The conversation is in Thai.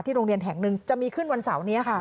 โรงเรียนแห่งหนึ่งจะมีขึ้นวันเสาร์นี้ค่ะ